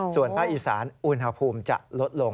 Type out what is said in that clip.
ส่วนภาคอีสานอุณหภูมิจะลดลง